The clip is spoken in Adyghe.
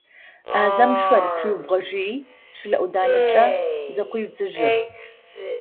Ӏазэм шъор тыриубгъожьи, щылэ ӏуданэкӏэ зэкъуидзэжьыгъ.